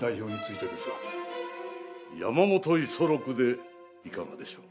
山本五十六でいかがでしょう？